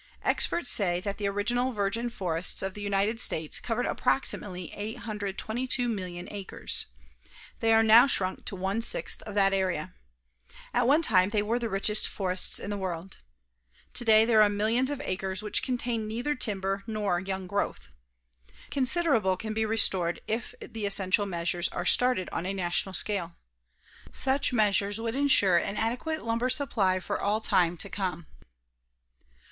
Experts say that the original, virgin forests of the United States covered approximately 822,000,000 acres. They are now shrunk to one sixth of that area. At one time they were the richest forests in the world. Today there are millions of acres which contain neither timber nor young growth. Considerable can be restored if the essential measures are started on a national scale. Such measures would insure an adequate lumber supply for all time to come.